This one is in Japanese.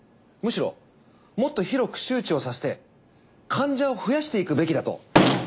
むしろもっと広く周知をさせて患者を増やしていくべきだと。